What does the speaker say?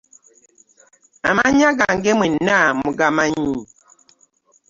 Amannya gange mwenna mugamanyi.